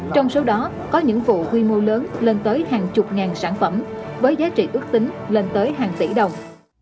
trong số đó có những vụ quy mô lớn lên tới hàng chục ngàn sản phẩm với giá trị ước tính lên tới hàng tỷ đồng